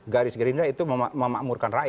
garis gerindra itu memakmurkan